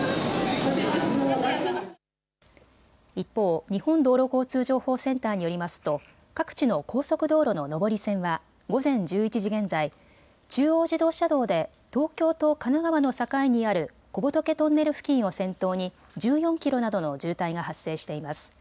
一方、日本道路交通情報センターによりますと、各地の高速道路の上り線は午前１１時現在、中央自動車道で東京と神奈川の境にある小仏トンネル付近を先頭に１４キロなどの渋滞が発生しています。